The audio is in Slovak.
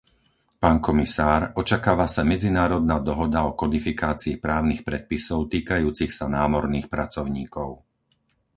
Pán komisár, očakáva sa medzinárodná dohoda o kodifikácii právnych predpisov týkajúcich sa námorných pracovníkov.